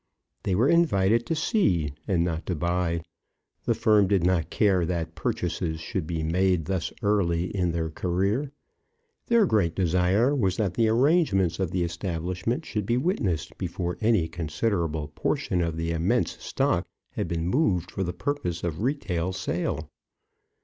They were invited to see, and not to buy. The firm did not care that purchases should be made thus early in their career. Their great desire was that the arrangements of the establishment should be witnessed before any considerable portion of the immense stock had been moved for the purpose of retail sale.